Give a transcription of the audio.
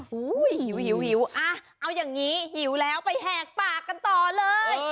หูยหิวเอาอย่างงี้หิวแล้วไปแหกปากกันต่อเลย